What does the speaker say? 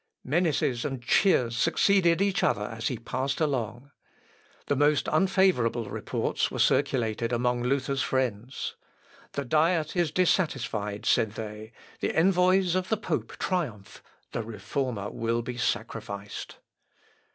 Menaces and cheers succeeded each other as he passed along. The most unfavourable reports were circulated among Luther's friends. "The Diet is dissatisfied," said they, "the envoys of the pope triumph, the Reformer will be sacrificed."